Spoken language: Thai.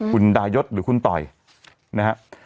คุณดายศหรือคุณต่อยนะฮะ